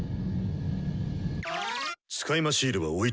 使い魔シールは置いてけ。